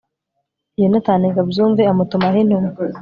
yonatani ngo abyumve, amutumaho intumwa